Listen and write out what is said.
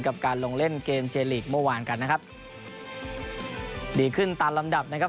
กับการลงเล่นเกมเจลีกเมื่อวานกันนะครับดีขึ้นตามลำดับนะครับ